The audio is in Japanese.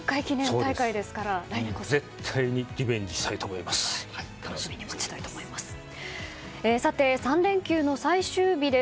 絶対にリベンジしたいと思います。